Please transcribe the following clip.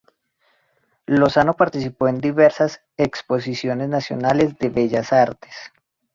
Lozano participó en diversas Exposiciones Nacionales de Bellas Artes.